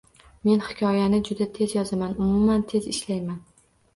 Men hikoyani juda tez yozaman, umuman tez ishlayman